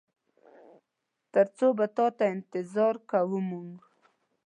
تر څو به تاته انتظار کوو مونږ؟